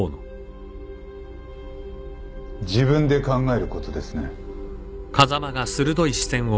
自分で考えることですね。